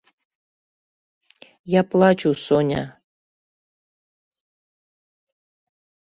Я плачу, Соня.